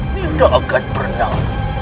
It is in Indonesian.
tidak akan pernah